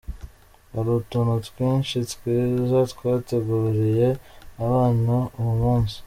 Hari utuntu twinshi twiza twateguriye abana uwo munsi.